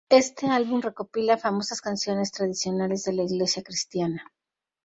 Este álbum recopila famosas canciones tradicionales de la iglesia cristiana.